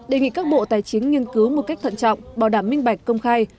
đề nghị các bộ tài chính nghiên cứu một cách thận trọng bảo đảm minh bạch công khai